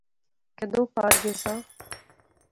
کیدوں پار گیساں؟